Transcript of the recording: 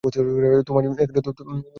তোমায় ভুলব না, পিচ্চি ছেলে।